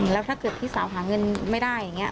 แล้วถ้าเกิดพี่สาวหาเงินไม่ได้อย่างนี้